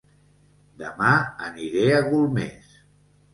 Dema aniré a Golmés